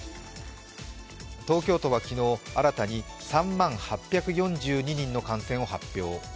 東京都は昨日、新たに３万８４２人の感染を発表。